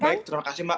baik terima kasih mbak